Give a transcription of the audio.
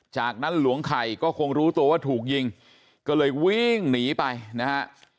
จากนั้นหลวงไข่ก็คงรู้ตัวว่าถูกยิงก็เลยวิ่งหนีไปนะฮะ